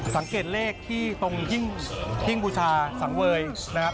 สังเกตเลขที่ตรงหิ้งบูชาสังเวยนะครับ